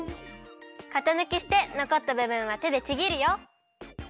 型ぬきしてのこったぶぶんはてでちぎるよ。